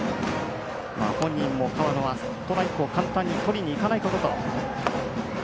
本人は河野はストライクを簡単に取りにいかないことと。